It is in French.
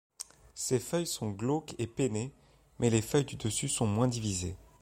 Ses feuilles sont glauques et pénées, mais les feuilles du dessus sont moins divisées.